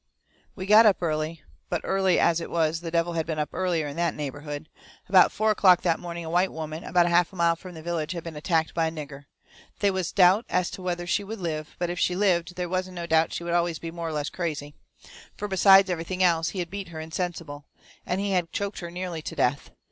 We got up early, but early as it was the devil had been up earlier in that neighbourhood. About four o'clock that morning a white woman about a half a mile from the village had been attacked by a nigger. They was doubt as to whether she would live, but if she lived they wasn't no doubts she would always be more or less crazy. Fur besides everything else, he had beat her insensible. And he had choked her nearly to death.